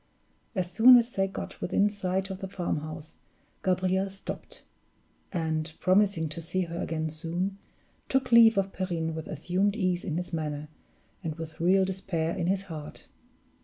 As soon as they got within sight of the farmhouse, Gabriel stopped; and, promising to see her again soon, took leave of Perrine with assumed ease in his manner and with real despair in his heart.